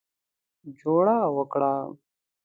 جوړه وکړه.